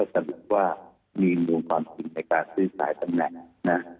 หรือว่ามีอินวงตอนสิ่งในการซื้อสายตำแหน่ง